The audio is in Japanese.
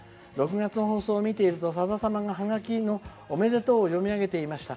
６月の放送を見ているとさだ様がハガキのおめでとうを読み上げていました。